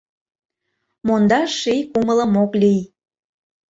Мондаш ший кумылым ок лий.